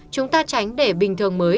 chúng ta tránh để bình thường mới